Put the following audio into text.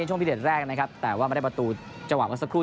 ในช่วงพิเศษแรกนะครับแต่ว่ามันได้ประตูเจ้าหวัดเมื่อสักครู่